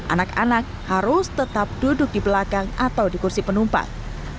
anak anak harus tetap duduk di belakang atau di kursi penumpang